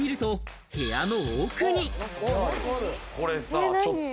これさ、ちょっと。